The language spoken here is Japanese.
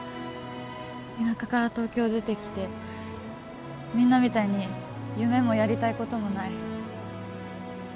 田舎から東京出てきてみんなみたいに夢もやりたいこともない